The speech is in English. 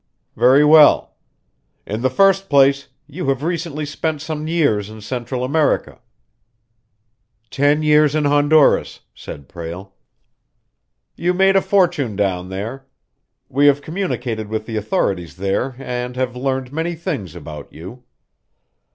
"Very well. In the first place, you have recently spent some years in Central America." "Ten years in Honduras," said Prale. "You made a fortune down there. We have communicated with the authorities there and have learned many things about you.